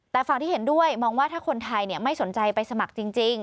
แต่ฝั่งที่เห็นด้วยมองว่าถ้าคนไทยไม่สนใจไปสมัครจริง